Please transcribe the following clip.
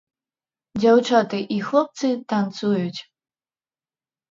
Дзяўчаты і хлопцы танцуюць.